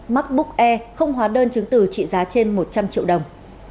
macbook e không hóa đơn chứng từ trị giá trên một trăm linh triệu đồng